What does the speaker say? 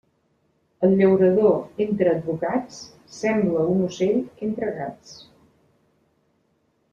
El llaurador entre advocats sembla un ocell entre gats.